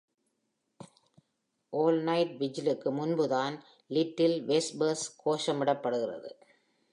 All-night விஜிலுக்கு முன்புதான் little வெஸ்பர்ஸ் கோஷமிடப்படுகிறது.